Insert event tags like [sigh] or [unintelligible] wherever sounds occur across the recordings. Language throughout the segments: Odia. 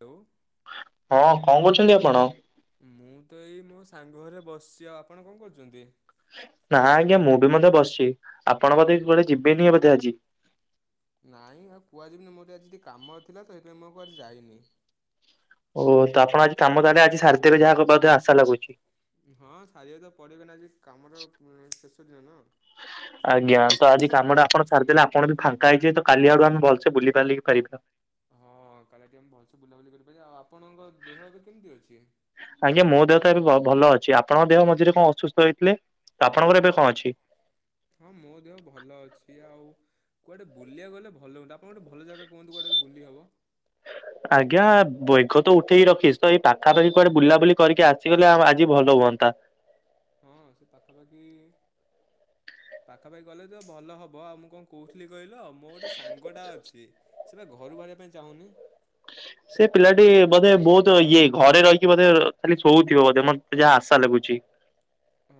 ହାଲୋ ହଁ କଣ କରହୁଛନ୍ତି ଆପଣ? ମୁଁ ତ ଏଇ ମୋ ସାଙ୍ଗ ଘରେ ବସିଛି ଆଉ ଆପଣ କଣ କରୁଛନ୍ତି? ନା ଆଜ୍ଞା ମୁଁ ବି ମଧ୍ୟେ ବସିଛି ଆପଣ ବୋଧେ କୁଆଡ଼େ ଯିବେନି ବୋଧେ ଆଜି। ନାଇଁ ଆଉ କୁହାଯିବନି ମୋର ଟ ଆଜି ଟିକେ କାମ ଥିଲା ସେଇଥିପାଇ ମୁଁ ଆଜି କୁଆଡ଼େ ଯାଇନି। ଓହୋ ତ ଆପଣ ଆଜି କାମ ତାଲେ ଆଜି ସାରି ଦେବେ ଯାହା କକୁ ଆଶା ଲାଗୁଛି। ହଁ ସାରିବା ତ ପଡ଼ିବ ନା ଆଜି କାମର ଶେଷ ଦିନ ନା। [inaudible] ଆଜ୍ଞା ତ ଆଜି କାମଟା ଆପଣ ସାରିଦେଲେ ଆପଣ ବି ଫାଙ୍କା ହେଇଯେ ତ କାଲି ଆଡୁ ଆମେ ଭଲସେ ବୁଲି ବାଲିକି ପାରିବା। ହଁ କାଲିିକ ଆମେ ଭଲସେ ବୁଲାବୁଲି କରିପାରିବା ଆଉ ଆପଣଙ୍କ ଦେହ ଭାଗ କେମିତି ଅଛି। ଆଜ୍ଞା ମୋ ଦେହ ତ ଏବେ ଭଲ ଅଛି ଆପଣଙ୍କ ଦେହ ମଝିରେ କଣ ଅସୁସ୍ଥ ହେଇଥିଲେ ତ ଆପଣଙ୍କର ଏବେ କଣ ଅଛି। ହଁ ମୋ ଦେହ ଭଲ ଅଛି ଆଉ କୁଆଡ଼େ ବୁଲିବାକୁ ଗଲେ ଭଲ ଲାଗୁନି ଆପଣ ଗୋଟେ ଭ ଭଲ ଜାଗା କୁହୁନ୍ତୁ କୁଆଡ଼େ ଗୋ ବୁଲି ହେବ। ହ [inaudible] ଆଜ୍ଞା ବୈଗ ତ ଉଠେଇକି ରଖିସ୍ ତ ଏଇ ପାଖାପାଖି କୁଆଡେ ବୁଲାବୁଲି କରିକି ଆସିଗଲେ ଆଜି ଭଲ ହୁଅନ୍ତା। ହଁ ସେ ପାଖାପାଖି ପାଖାପାଖି ଗଲେ ତ ଭଲ ହବ ଆଉ ମୁଁ କଣ କ କହୁଥିଲି କହିଲ ମୋର ଗୋଟେ ସାଙ୍ଗଟା ଅଛି ସେ ବା ଘରୁ ବାହାରିବା ପାଇଁ ଚାହୁଁନି। [unintelligible] ସେ ପିଲାଟି ବୋଧେ ବହୁତ ଇଏ ଘରେ ରହିକି ବୋଧେ ଖାଲି ଶୋଉଥିବ ବୋଧେ ମତେ ଯାହା ଆଶା ଲାଗୁଛି।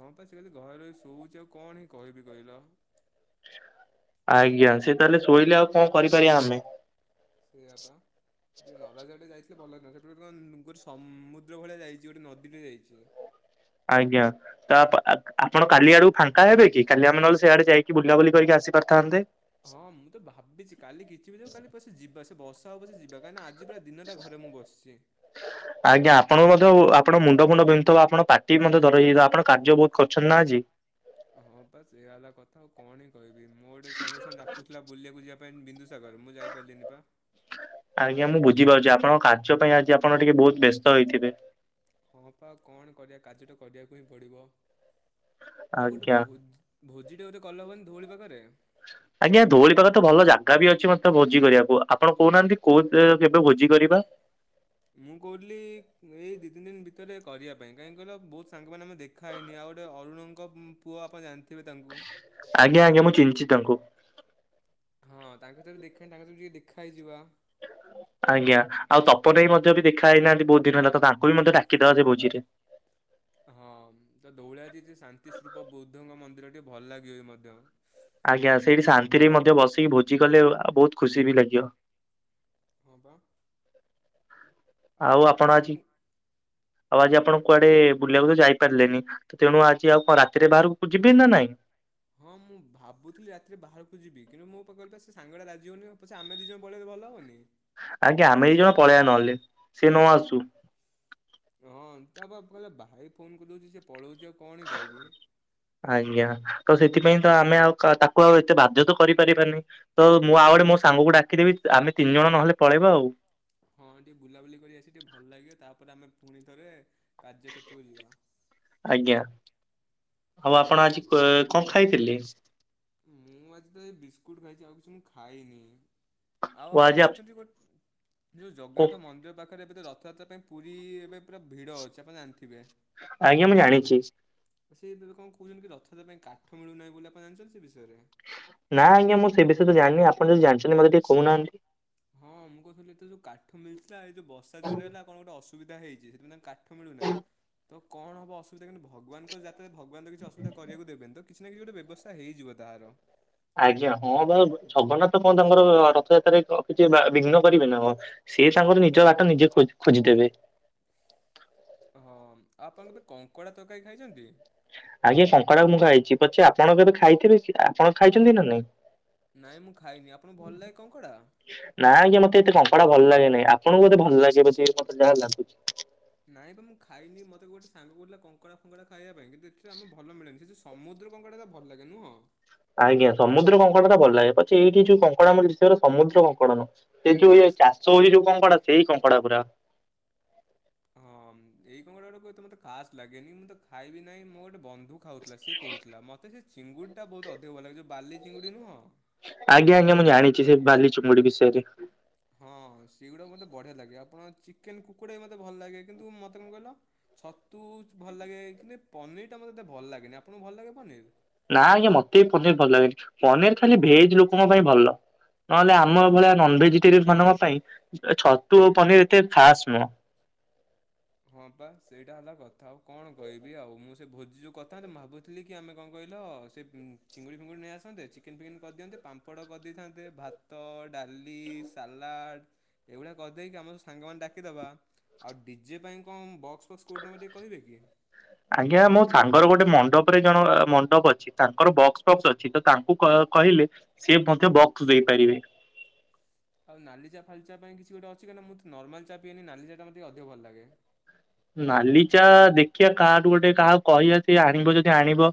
ହଁ ବା ସେ କି ଘରେ ବି ଶୋଉଛି ଆଉ କଣ ହିଁ କହିବି କହିଲ। ଆଜ୍ଞା ସେ ତାହେଲେ ଶୋଇଲେ ଆଉ କଣ କରିପାରିବା ଆମେ। ସେଇଆ ପା ଟିକିଏ ନରାଜା ଆଡ଼େ ଯାଇଥିଲେ ଭଲହେଇଥାନ୍ତା ସେଠି ଗୋଟେ କଣ ନୁଙ୍ଗୁ ସମୁଦ୍ର ଭଳିଆ ଯାଇଛି ଗୋଟେ ନଦୀଟେ ଯାଇଛି। ଆଜ୍ଞା ତ ଆପଣ କାଲି ଆଡକୁ ଫାଙ୍କା ହେବେ କି କାଲି ଆମେ ନହେଲେ ସେଇଆଡେ ଯାଇକି କି ବୁଲାବୁଲି କରିକି ଆସି ପାରିଥାନ୍ତେ। ହଁ ମୁଁ ତ ଭାବିଛି କାଲି କିଛି ବି ଯଉ କାଲି ବ ଯିବା ସେ ବର୍ଷା ହଉ ବ ଯିବା କାହିଁକି ନା ଆଜି ଆଜି ପୁରା ଦିନଟା ଘରେ ମୁଁ ବସିଛି। [inaudible] ଆଜ୍ଞା ଆପଣ ମଧ୍ୟ ଆପଣ ମୁଣ୍ଡ ଫୁଣ୍ଡ ବିନ୍ଧୁଥିବ ଆପଣ ପାର୍ଟି ମଧ୍ୟ ଧରଇିବ ଆପଣ କାର୍ଯ୍ୟ ବହୁତ କରିଛନ୍ତି ନା ଆଜି। ହଁ ପାସେଇଆ ହେଲା କଥା ଆଉ କଣ ହି କହିବି ମୋ ଗୋଟେ ସାଙ୍ଗ ସାଙ୍ଗେ ଡ଼ାକୁଥିଲା ବୁଲିବାକୁ ଯିବା ପାଇଁ ବିନ୍ଦୁସାଗର ମୁଁ ଯାଇପାରିଲିନି ପା ଆଜ୍ଞା ମୁଁ ବୁଝିପାରୁଛି ଆପଣଙ୍କ କାର୍ଯ୍ୟ ପାଇଁ ଆଜି ଆପଣ ଟିକେ ବହୁତ ବ୍ୟସ୍ତ ହୋଇଥିବେ। ହଁ ପା କଣ କରିବା କାର୍ଯ୍ୟଟା କରିବାକୁ ହିଁ ପଡିବ ଆଉ ଗୋଟେ ଆଜ୍ଞା। ଭୋଜି ଭୋଜିଟେ ଗୋଟେ କଲେ ହେବନି ଧଉଳି ପାଖରେ ଆଜ୍ଞା ଧଉଳି ପାଖରେ ତ ଭଲ ଜାଗା ବି ଅଛି ମତେ ଭୋଜି କରିବାକୁ। ଆପଣ କହୁନାହାନ୍ତି କୋଉ ଡ଼େଟ କେବେ ଭୋଜି କରିବା? ମୁଁ କହୁଥିଲି ଏଇ ଦି ତିନି ଦିନ୍ ଭିତରେ କରିବା ପାଇଁ କାହିଁକି କହିଲ ବହୁତ ସାଙ୍ଗମାନେ ମ ଦେଖାହେଇନି ଆଉ ଗୋଟେ ଅରୁଣଙ୍କ ପୁଅ ଆପଣ ଜାଣିଥିବେ ତାଙ୍କୁ। ଆଜ୍ଞା ଆଜ୍ଞା ମୁଁ ଚିନିଛି ତାଙ୍କୁ। ହଁ ତାଙ୍କ ସହ ବି ଦେଖାହେଇନି ତାଙ୍କ ସହ ଦେଖା ହେଇଯିବା। [inaudible] ଆଜ୍ଞା ଆଉ ତପନ ଭାଇ ମଧ୍ୟ ବି ଦେଖା ହେଇନାହାନ୍ତି ବହୁତ ଦିନ ହେଲା ତ ତାଙ୍କୁ ବି ମଧ୍ୟ ଡାକିଦବା ସେ ଭୋଜି ରେ। ହଁ ତ ଦୌଳାଜି ଶାନ୍ତି ସ୍ତୁପ ବୌଦ୍ଧଙ୍କ ମନ୍ଦିର ଟିକେ ଭଲ ଲାଗିବ ମଧ୍ୟ। ଆଜ୍ଞା ସେଇଠି ଶାନ୍ତିରେ ମଧ୍ୟ ବସିକି ଭୋଜି କଲେ ଆଉ ବହୁତ ଖୁସି ବି ଲାଗିବ। ହଁ ପା। ଆଉ ଆପଣ ଆଜି କୁ ଆଉ ଆଜି ଆପଣ କୁଆଡେ ବୁଲିବାକୁ ତ ଯାଇପାରିଲେନି? ତେଣୁ ଆଜି ଆଉ କଣ ରାତିରେ ବାହାରକୁ ଯିବେ ନା ନାହିଁ? ହଁ ମୁଁ ଭାବୁଥିଲି ରାତିରେ ବାହାରକୁ ଯିବି କିନ୍ତୁ ମୋ ପାଖରେ ପା ସେ ସାଙ୍ଗ ଟା ରାଜି ହଉନି। ଆମେ ଦି ଜଣ ପଳେଇଲେ ଭଲ ହବନି? ଆଜ୍ଞା ଆମେ ଦି ଜଣ ପଳେଇବା ନହେଲେ ସେ ନ ଆସୁ। ହଁ ତା କହିଲେ ଭାଇ ଫୋନ କରିଦଉଛି ସେ ପଳଉଛି ଆଉ କଣ ବି କହିବି। ଆଜ୍ଞା ତ ସେଥିପାଇଁ ତ ଆମେ ଆଉ ତାକୁ ଆଉ ଏତେ ବାଧ୍ୟ ତ କରିପାରିବାନି ତ ମୁଁ ଆଉଆଡେ ମୋ ସାଙ୍ଗକୁ ଡାକିଦେବି ଆମେ ତିନି ଜଣ ନହେଲେ ପଳେଇବା ଆଉ। ହଁ ଟିକେ ବୁଲାବୁଲି କରି ଆସି ଟିକେ ଭଲ ଲାଗିବେ ତାପରେ ଆମେ ପୁଣି ଥରେ କାର୍ଯ୍ୟକ୍ଷେତ୍ରକୁ ଯିବା। ଆଜ୍ଞା ଆଉ ଆପଣ ଆଜି କଣ ଖାଇଥିଲେ? ମୁଁ ଆଜି ତ ଏଇ ବିସ୍କୁଟ ଖାଇଛି ଆଉ କିଛି ମୁଁ ଖାଇନି। ଆଉ ଓ ଆପଣ ଆଜି ଆପ ଜାଣିଛନ୍ତି ଗୋଟେ ଯୋଉ କୋ ଜଗନ୍ନାଥ ମନ୍ଦିର ପାଖରେ ପାଖରେ ଏବେ ରଥଯାତ୍ରା ପାଇଁ ପୁରୀ ଏବେ ପୁରା ଭିଡ ଅଛି ଆପଣ ଜାଣିଥିବେ। ଆଜ୍ଞା ମୁଁ ଜାଣିଛି। ସେ ଏବେ କଣ କହୁଛନ୍ତି କି ରଥ ଦେବା ପାଇଁ କାଠ ମିଳୁନାହିଁ ବୋଲି ଆପଣ ଜାଣିଛନ୍ତି ସେ ବିଷୟରେ? ନା ଆଜ୍ଞା ମୁଁ ସେ ବିଷୟରେ ଜାଣିନି ଆପଣ ଯଦିଜାଣିଛନ୍ତି ମତେ ଟିକେ କହୁନାହାନ୍ତି। ହଁ ମୁଁ କହୁଥିଲି ଏତେ ଯୋଉ କାଠ ମିଳିଥିଲା ଏଇ ଯଉ ବଷା ଯୋରେହେଲା କଣ ଗୋଟେ ଅସୁବିଧା ହେଇଛି ସେଥିପାଇଁ ତାଙ୍କ କାଠ କାଠ ମିଳୁନାହିଁ ତ କଣ ହବ ଅସୁବିଧା କିନ୍ତୁ ଭଗବାନଙ୍କ ଯାତ୍ରା ଭଗବାନ କିଛି ଅସୁବିଧା କରିବାକୁ ଦେବେନି ତ କିଛି ନା କିଛି ଗୋଟେ ବ୍ୟବସ୍ଥା ହେଇଯିବ ତାହାର। ଆଜ୍ଞା ହଁ ବା ଜଗନ୍ନାଥ କଣ ତାଙ୍କର ରଥଯାତ୍ରାରେ କଣ କିଛି ବିଘ୍ନ କରିବେ ନା କଣ। ସେ ତାଙ୍କର ନିଜ ବାଟ ନିଜେ ଖୋଜ ଖୋଜିଦେବେ। ହଁ ଆଉ ଆପଣ କେବେ କଙ୍କଡ଼ା ତରକାରୀ ଖାଇଛନ୍ତି? ଆଜ୍ଞା କଙ୍କଡ଼ା ମୁଁ ଖାଇଛି ପଛେ ଆପଣ କେବେ ଖାଇଥିବେ କି ଆପଣ ଖାଇଛନ୍ତି ନା ନାଇଁ? ନାଇଁ ମୁଁ ଖାଇନି ଆପଣଙ୍କୁ ଭଲ ଲାଗେ କଙ୍କଡ଼ା? ନାଁ ଆଜ୍ଞା ମତେ ଏତେ କଙ୍କଡ଼ା ଭଲ ଲାଗେନାହିଁ ଆପଣଙ୍କୁ ବୋଧେ ଭଲ ଲାଗେ ମତେ ଯାହାଲାଗୁଛି। ନାଇଁ ପା ମୁଁ ଖାଇନି ମତେ ଗୋଟେ ସାଙ୍ଗ କହୁଥିଲା କଙ୍କଡ଼ା ଫଙ୍କଡା ଖାଇବା ପାଇଁ କିନ୍ତୁ ଏଠି ଆମ ଭଲ ମିଳନି ସେ ସମୁଦ୍ର କଙ୍କଡ଼ାଟା ଭଲ ଲାଗେ ନୁହଁ? ଆଜ୍ଞା ସମୁଦ୍ର କଙ୍କଡା ଟା ଭଲ ଲାଗେ ପଛେ ଏଇଠି ଯୋଉ କଙ୍କଡ଼ା ମିଳୁଛି ସମୁଦ୍ର କଙ୍କଡ଼ା ନୁହଁ। ସେ ଯୋଉ ଏଇ ଚାଷ ହଉଛି ଯୋଉ କଙ୍କଡ଼ା ସେଇ କଙ୍କଡ଼ା ପୁରା। ହଁ ଏଇ କଙ୍କଡ଼ା ଗୁଡିକ ଏତେ ମତେ ଖାସ ଲାଗେନି ମୁଁ ତ ଖାଇବି ନାହିଁ ମୁଁ ଗୋଟେ ବ ଖାଉଥିଲା ସେ କହୁଥିଲା ମତେ ସେ ଚିଙ୍ଗୁଡ଼ିଟା ବହୁତ ଅଧିକ ଭଲ ଲାଗେ ସେ ଯେଉ ବାଲି ଚିଙ୍ଗୁଡ଼ି ନୁହଁ ଆଜ୍ଞା ଆଜ୍ଞା ମୁଁ ଜାଣିଛି ସେ ବାଲି ଚୁଙ୍ଗୁଡି ବିଷୟରେ। ହଁ ସେଗୁଡ଼ା ମୋତେ ବଢିଆ ଲାଗେ ଆପଣ ଚିକେନ କୁକୁଡ଼ା ବି ମୋତେ ଭଲ ଲାଗେ କିନ୍ତୁ ମତେ କଣ କହିଲ ଛତୁ ଭଲ ଲାଗେ କି ପନିରଟା ମତେ ଏତେ ଭଲ ଲାଗେନି ଆପଣଙ୍କୁ ଭଲ ଲାଗେ ପନିର? ନା ଆଜ୍ଞା ମତେ ବି ପନିର ଭଲ ଲାଗେନି ପନିର ଖାଲି ଭେଜ ଲୋକଙ୍କ ପାଇଁ ଭଲ। ନହେଲେ ଆମ ଭଳିଆ ନନ୍ ଭେଜିଟେରିୟନ ମାନଙ୍କ ପାଇଁ ଛତୁ ଓ ପନିର ଏତେ ଖାସ୍ ନୁହଁ। ହଁ ପା ସେଇଟା ହେଲା କଥା ଆଉ କଣ କହିବି ଆଉ ମୁଁ ସେ ଭୋଜି ଯୋଉ କରିଥାନ୍ତି ଭାବୁ -ଥିଲି କି ଆମେ କଣ କହିଲ ସେ ଚିଙ୍ଗୁଡ଼ି ଫିଙ୍ଗୁଡ଼ି ନେଇ ଆସନ୍ତେ ଚିକେନ୍ ଫିକେନ୍ କରିଦିଅନ୍ତେ ପାମ୍ପଡ଼ କରିଦେଇଥାନ୍ତେ ଭାତ ଭାତ ଡାଲି ସାଲାଡ଼ ଏଇଭଳିଆ କରିଦେଇକି ଆମ ସାଙ୍ଗମାନେ ଡାକିଦେବା ଆଉ ଡି ଡିଜେ ଫିଜେ ପାଇଁ କଣ ବକ୍ସ ଫକ୍ସ କୋଉଠୁ ନବା ଟିକେ କହିବେ କି? ଆଜ୍ଞା ମୋ ସାଙ୍ଗର ଗୋଟେ ମଣ୍ଡପରେ ଜଣ ମଣ୍ଡପ ଅଛି ତାଙ୍କର ବକ୍ସ ଫକ୍ସ ଅଛି ସିତ ତାଙ୍କୁ କହିଲେ ସିଏ ମଧ୍ୟ ବକ୍ସ ଦେଇପାରିବେ। ଆଉ ନାଲି ଚା ଫାଲି ଚା ପାଇଁ କିଛି ଗୋଟେ ଅଛି କାହିଁକିନା ମୁଁ ତ ନର୍ମାଲ ଚା ପିଏନି ନାଲି ଚା ଟା ମତେ ଟିକେ ଅଧିକ ଭଲ ଲାଗେ। ନାଲିଚା ଦେଖିବା କାହାଠୁ ଗୋଟେ କାହାକୁ କହିବା ସେ ଆଣିବ ଯଦି ଆଣିବ।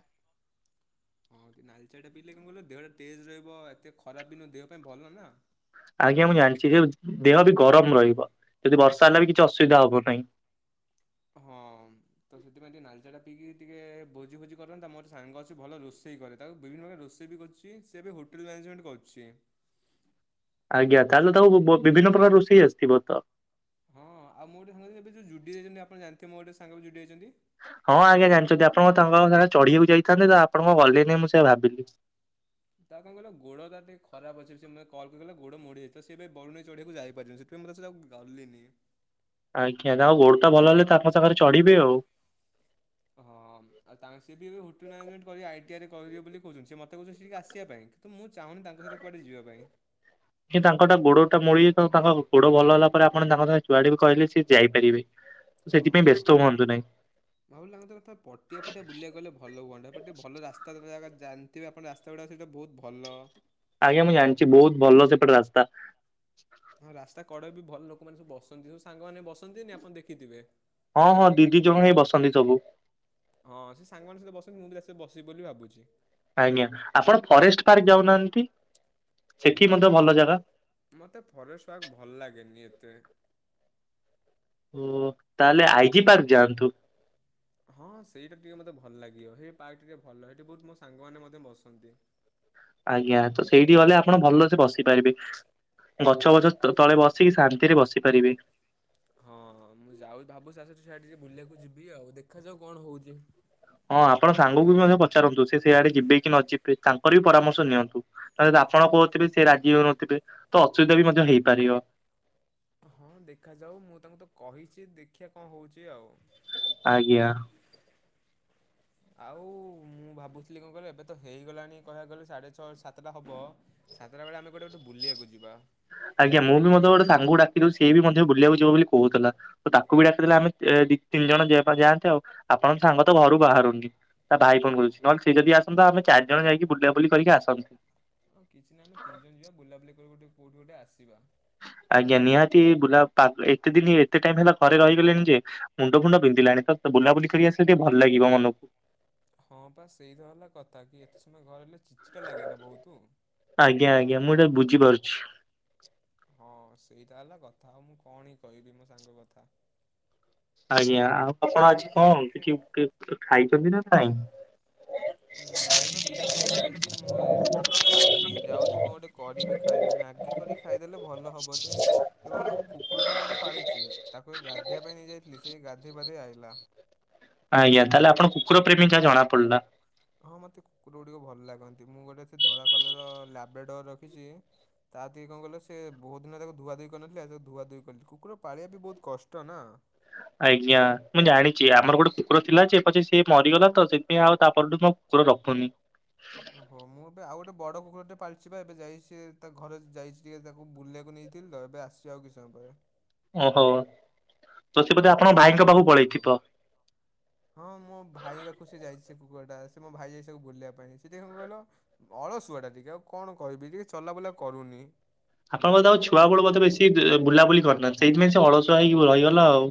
ହଁ ନାଲି ଚା ଟା ପିଇଲେ କଣ କହିଲ ଦେହଟା ତେଜ ରହିବ ଏତେ ଖରା ଦିନ ଦେହ ପାଇଁ ଭଲ ନା। ଆଜ୍ଞା ମୁଁ ଜାଣିଛି ଯେ ଦେହ ବି ଗରମ ରହିବ ଯଦି ବର୍ଷା ହେଲା ବି କିଛି ଅସୁବିଧା ହବ ନାହିଁ। ହଁ। ତ ସେଥିପାଇଁ ଟିକେ ନାଲି ଚା ଟା ପଇକି ଟିକେ ଭୋଜି ଫୋଜି କରନ୍ତା ମୋର ସାଙ୍ଗ ଅଛି ସେ ଭଲ ରୋଷେଇ କରେ। ତାକୁ ବିଭିନ୍ନ ପ୍ରକାରର ରୋଷେଇ ବି କରୁଛି ସେ ଏବେ ହୋଟେଲ ମାନେଜମେଣ୍ଟ କରୁଛି। ଆଜ୍ଞା ତାହେଲେ ତାକୁ ବିଭିନ୍ନ ପ୍ରକାର ରୋଷେଇ ଆସିଥିବ ତ। ହଁ ଆଉ ମୁଁ ଗୋଟେ ମୁଁ ଏବେ ଜୁଡିଓ ଯାଇଛନ୍ତି ଆପଣ ଜାଣିଥିବେ ମୋର ଗୋଟେ ସାଙ୍ଗ ବି ଜୁଡିଓ ଯାଇଛନ୍ତି। ହଁ ଆଜ୍ଞା ଜାଣିଛନ୍ତି ଆପଣଙ୍କ ତାଙ୍କ ସାଙ୍ଗେ ଚଢ଼ିବାକୁ ଯାଇଥାନ୍ତେ ତ ଆପଣ କାଇଁ ଗଲେନି ମୁଁ ସେୟା ଭାବିଲି। ତାର କଣ କହିଲ ଗୋଡ଼ଟା ଟିକେ ଖରାପ ଅଛି ସେ ମତେ କଲ୍ କରିକହିଲା ଗୋଡ ମୋଡିହେଇଛି ତ ସେ ଏବେ ବରୁଣେଇ ଚଢିବାକୁ ଯାଇପାରିବନି। ସେଥିଲାଗି ମୁଁ ତା ସହିତ ଆଉ ଗଲିନି। ଆଜ୍ଞା ତାଙ୍କ ଗୋଡଟା ଭଲ ହେଲେ ତାଙ୍କ ସାଙ୍ଗରେ ଚଢିବେ ଆଉ। ହଁ ଆଉ ତାଙ୍କେ ସିଏ ବି ଏବେ ହୋଟେଲ ମ୍ୟାନେଜମେଣ୍ଟ କରି ଆଇଟିଆର୍ ରେ କରିବେ ବୋଲି କହୁଛନ୍ତି ସେ ମତେ କହୁଛନ୍ତି ସେଠିକି ଆସିବା ପାଇଁ। ମୁଁ ଚାହୁଁନି ତାଙ୍କ ସହିତ କୁଆଡ଼େ ଯିବା ପାଇଁ। କି ତାଙ୍କଟା ଗୋଡଟା ମୋଡି ହେଇଯାଇଛି ତାଙ୍କ ଗୋଡ ଭଲ ହେଲା ପରେ ଆପଣ ତାଙ୍କ ସାଙ୍ଗରେ ଜୁଆଡେ ବି କହିଲେ ସିଏ ଯାଇପାରିବେ। ହଁ। ସେଥିପାଇଁ ବ୍ୟସ୍ତ ହୁଅନ୍ତୁ ନାହିଁ ଭାବିଲି ତାଙ୍କ ଏଥର ପଟିଆ ଫଟିଆ ବୁଲିବାକୁ ଗଲେ ଭଲ ହୁଅନ୍ତା ଏପଟିକେ ଭଲ ରାସ୍ତା ଜାଗା ତେବେ ଆପଣ ରାସ୍ତା ଗୁଡ଼ା ସେଇା ବହୁତ ଭଲ। ଆଜ୍ଞା ମୁଁ ଜାଣିଛି ବହୁତ ଭଲ ସେପଟେ ରାସ୍ତା। ହଁ ରାସ୍ତା କଡରେ ବି ଭଲ ଲୋକମାନେ ସବୁ ବସନ୍ତି ସବୁ ସାଙ୍ଗମାନେ ବସନ୍ତିନି ଆପଣ ଦେଖିଥିବେ। ହଁ ହଁ ଦିଦି ଜଣ ହିଁ ବସନ୍ତି ସବୁ। ହଁ ସେ ସାଙ୍ଗମାନଙ୍କ ସହିତ ବସନ୍ତି ମୁଁ ବି ତାସ ବସିବି ବୋଲି ଭାବୁଛି। ଆଜ୍ଞା ଆପଣ ଫରେଷ୍ଟ ପାର୍କ ଯାଉନାହାନ୍ତି ସେଠି ନା ମଧ୍ୟ ମତେ ଭଲ ଜାଗା। ମତେ ଫରେଷ୍ଟ ପାର୍କ ଭଲ ଲାଗେନି ଏତେ। ଓ ତାହେଲେ ଆଇଜି ପାର୍କ ଯାଆନ୍ତୁ। ହଁ ସେଇଟା ଟିକେ ମୋତେ ଭଲ ଲାଗିବ ସେଇ ପାର୍କ ଟିକେ ଭଲ ସେଇଠି ବହୁତ ମୋ ସାଙ୍ଗମାନେ ମଧ୍ୟ ବସନ୍ତି। ଆଜ୍ଞା ତ ସେଇଠିକି ଗଲେ ଆପଣ ଭଲସେ ବସିପାରିବେ। ଗଛ ପଛ ତଳେ ବସିକି ଶାନ୍ତିରେ ବସି ପାରିବେ। ହଁ ମୁଁ ଯାଉ ଭାବୁୁଚି ସିଆଡେ ଟିକେ ବୁଲିବାକୁ ଯିବି ଆଉ ଦେଖାଯାଉ କଣ ହଉଛି? ହଁ ଆପଣ ସାଙ୍ଗକୁ ବି ମଧ୍ୟ ପଚାରନ୍ତୁ ସେ ସିଆଡେ ଯିବେ କି ନ ଯିବେ ତାଙ୍କର ବି ପରାମର୍ଶ ନିଅନ୍ତୁ। ନହେଲେ ଆପଣ କହୁଥିବେ ସେ ରାଜି ହଉନଥିବେ ତ ଅସୁବିଧା ବି ମଧ୍ୟ ହେଇପାରିବ। ହଁ ଦେଖାଯାଉ ମୁଁ ତାଙ୍କୁ ତ କହିଛି ଦେଖିଆ କଣ ହଉଛି ଆଉ? ଆଜ୍ଞା। ଆଉ ମୁଁ ଭାବୁଥିଲି କଣ କହିଲ ଏବେ ତ ହେଇଗଲାଣି କହିବାକୁ ଗଲେ ସାଢ଼େ ଛଅ ସାତଟା ହବ। ସାତଟା ବେଳେ ଆମେ କୁଆଡେ ଗୋଟେ ବୁଲିବାକୁ ଯିବା? ଆଜ୍ଞା ମୁଁ ବି ମଧ୍ୟ ଗୋଟେ ସାଙ୍ଗକୁ ଡାକିଦଉଚି ସେ ବି ମଧ୍ୟ ବୁଲିବାକୁ ଯିବ ବୋଲି କହୁଥିଲା। ତ ତାକୁ ବି ଡାକିଦେଲେ ଆମେ ଦି ତିନି ଜଣ ଯିବାପାଇଁ ଯାଆନ୍ତେ ଆପଣଙ୍କ ସାଙ୍ଗ ତ ଘରୁ ବାହାରୁନି। ତା ଭାଇ ଫୋନ କରୁଛି ନହେଲେ ସେ ଯଦି ଆସନ୍ତା ଆମେ ଚାରିଜଣ ଯାଇକି ବୁଲା ବୁଲି କରିକି ଆସନ୍ତେ। ହଁ କିଛି ନାହିଁ ଆମେ ତିନିଜଣ ଯିବା ବୁଲାବୁଲି କରିକି ଗୋଟ କୋଉଠୁ ଗୋଟେ ଆସିବା। ଆଜ୍ଞା ନିହାତି ବୁଲା ଏତେ ଦିନ ଏତେ ଟାଇମ ହେଲା ଘରେ ରହିଗଲେଣି ଯେ ମୁଣ୍ଡ ଫୁଣ୍ଡ ବିନ୍ଧିଲାଣି ତ ବୁଲାବୁଲି କରି ଆସିଲେ ଟିକେ ଭଲ ଲାଗିବ ମନକୁ। ହଁ ପା ସେଇ ତ ହେଲା କଥା କି ଏତେ ସମୟ ଘରେ ରହିଲେ ଚିଡ ଚିଡା ଲାଗେନା ବହୁତ। ଆଜ୍ଞା ଆଜ୍ଞା ମୁଁ ଏଟା ବୁଝି ପାରୁଛି। ହଁ ସେଇଟା ହେଲା କଥା ଆଉ ମୁଁ କଣ କହିବି ମୋ ସାଙ୍ଗ କଥା? ଆଜ୍ଞା ଆଉ ଆପଣ ଆଜି କଣ କିଛି ଖାଇଛନ୍ତି ନା ନାଇଁ? ହୁଁ ହେଇପା ବିସ୍କୁଟ ଖାଇଛି ମୁଁ ଏ କିଛି ଖାଇନି ଯାଉଛି କଣ ଗୋଟେ କରିବି ଖାଇବି ମ୍ୟାଗି କରିକି ଖାଇଦେଲେ ଭଲ ହବ ଟେ ସେ କଣ କହିଲୁ କୁକୁରଟେ ମୁଁ ଗୋଟେ ପାଳିଛି। ତାକୁ ଏବେ ଗାଧେଇବା ପାଇଁ ନେଇଯାଇଥିଲି ସେ ଏଇ ଗାଧେଇପାଧେଇ ଆଇଲା। ଆଜ୍ଞା ତାହେଲେ ଆପଣ କୁକୁର ପ୍ରେମି ଯା ଜଣାପଡିଲା। ହଁ ମତେ କୁକୁର ଗୁଡିକ ଭଲ ଲାଗନ୍ତି ମୁଁ ଗୋଟେ ଧଳା କଲର ଲାବେଡୋ ରଖିଛି। ତା ଟେ କଣ କହିଲ ସେ ବହୁତ ଦିନ ତାକୁ ଧୁଆ ଧୁଇ କରିନଥିଲି ଆଜି ତାକୁ ଧୁଆ ଧୋଇ କଲି କୁକୁର ପାଳିବା ଟା ବି ବହୁତ କଷ୍ଟ ନା। ଆଜ୍ଞା ମୁଁ ଜାଣିଛି ଆମର ଗୋଟେ କୁକୁରଥିଲା ଯେ ପଛେ ସିଏ ମରିଗଲା ତ ସେଥିାଇଁ ଆଉ ତାପଠୁ ମୁଁ ଆଉ କୁକୁର ରଖୁନି। ଓହୋ ମୁଁ ଏବେ ଆଉ ଗୋଟେ ବଡ କୁକୁରଟେ ପାଳଛିିବା ଏବେ ଯାଇଚିସେ ତା ଘରେ ଯାଇଛି ଟିକେ ତାକୁ ବୁଲେଇବାକୁ ନେଇ ଥିଲ ତ ଏବେ ଆସିବ ଆଉ କିଛି ସମୟ ପରେ। ଓ ହୋ ତ ସିଏ ବୋଧେ ଆପଣଙ୍କ ଭାଇଙ୍କ ପାଖକୁ ପଳେଇଥିବ। ହଁ ମୋ ଭାଇ ପାଖକୁ ସିଏ ଯାଇଚି ସେ କୁକୁରଟା ସେ ମୋ ଭାଇ ଯାଇଚି ତାକୁ ବୁଲେଇବା ପାଇଁ ସିଏ ଟିକେ କଣ କହିଲ ଅଳସୁଆଟା ଟିକେ ଆଉ କଣ କହିବି ଟିକେ ଚଲାବୁଲା କରୁନି। ଆପଣଙ୍କ ଯେତେବେଳ ଛୁଆବେଳୁ ବୋଧେ ବେଶି ଦେ ବୁଲାବୁଲି କରିନାହାନ୍ତି ସେଇଥିପାଇଁ ସେ ଅଳସୁଆ ହେଇକି ରହିଗଲା ଆଉ।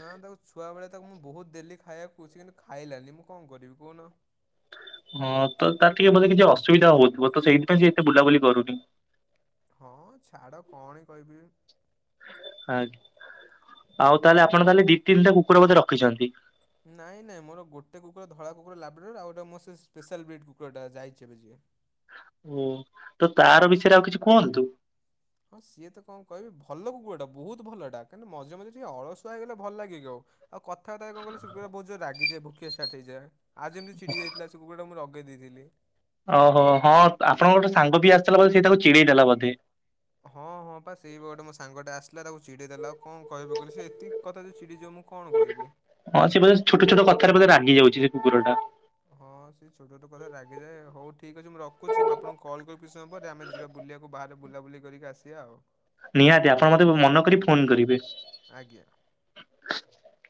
ନା ତାକୁ ଛୁଆବେଳେ ତାକୁ ମୁଁ ବହୁତ ଦେଲି ଖାଇଆକୁ ସିଏ କିନ୍ତୁ ଖାଇଲାନି ମୁଁ କଣ କରିବି କହୁନ? ହଁ ତ ତାର ଟିକେ ବୋଧେ କିଛି ଅସୁବିଧା ହଉଥିବ ତ ସେଇଥିପାଇଁ ସିଏ ଏତେ ବୁଲାବୁଲି କରୁନି। ହଁ ଛାଡ କଣ ବି କହିବି। ଆ ଆଉ ତାହେଲେ ଆପଣ ତାହେଲେ ଦି ତିନିଟା କୁକୁର ବୋଧେ ରଖିଛନ୍ତି। ନାଇଁ ନାଇଁ ମୋର ଗୋଟେ କକୁର ଧଳା କୁକୁର ଲାବ୍ରିଡୋର୍ ଆଉ ଗୋଟେ ମୋ ସେ ସ୍ପେଶାଲ୍ ବ୍ରିଡ୍ କୁକୁରଟା ଯାଇଛି ଏବେ ଯିଏ। ଓ ତ ତାର ବିଷୟରେ ଆଉ କିଛି କୁହନ୍ତୁ? ହଁ ସିଏ ତ କଣ କହିବି ଭଲ କୁକୁରଟା ବହୁତ ଭଲଟା କାନି ମଝିରେ ମଝିରେ ଟିକେ ଅଳସୁଆ ହେଇଗଲେ ଭଲ ଲାଗିବକି ଆଉ। ଆଉ କଥାବାର୍ତ୍ତା କଣ କଇଲ ସେ ପୁରା ବହୁତ ଯୋରରେ ରାଗିଯାଏ ଭୁକିବା ଷ୍ଟାଟ୍ ହେଇଯାଏ। ଆଜି ହେମିତି ଚିଡ଼ି ଯାଇଥିଲା ସେ କକୁରଟା ମୁଁ ରଗେଇ ଦେଇଥିଲି। ଓହୋ ହଁ ଆପଣଙ୍କର ଗୋଟେ ସାଙ୍ଗ ବି ଆସିଥିଲା ବୋଧେ ସେ ତାକୁ ଚିଡେଇ ଦେଲା ବୋଧେ। ହଁ ହଁ ପା ସେଇ ବଟ ମୋ ସାଙ୍ଗଟା ଆସିଲା ତାକୁ ଚଡ଼େଇଦେଲା ଦେଲା ଆଉ କଣ କହିବ କହିଲ ସେ ଏତିିକି ସେ କଥା ଯଦି ଚିଡ଼ି ଯିବ ମୁଁ କଣ କହିବି? ହଁ ସେ ବୋଧେ ଛୋଟ ଛୋଟ କଥାରେ ବୋଧେ ରାଗି ଯାଉଛି ସେ କୁକୁରଟା। ହଁ ସେ ଛୋଟ ଛୋଟ କଥାରେ ରାଗିଯାଏ ହଉ ଠିକ ଅଛି ମୁଁ ରଖୁଛି ମୁଁ ଆପଣଙ୍କୁ କଲ୍ ବି କିଛି ସମୟ ପରେ ଆମେ ଯିବା ବୁଲିବାକୁ ବାହାରେ ବୁଲାବୁଲି କରିକି ଆସିବା ଆଉ। ନିହାତି ଆପଣ ମତେ ମନ କରି ଫୋନ କରିବେ। ଆଜ୍ଞା।